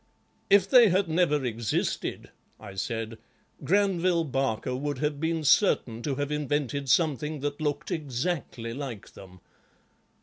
'If they had never existed,' I said, 'Granville Barker would have been certain to have invented something that looked exactly like them.